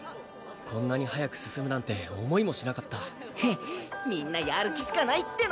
こんなに早く進むなんて思いもしなかったヘッみんなやる気しかないっての！